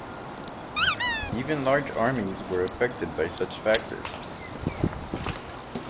Even large armies were affected by such factors.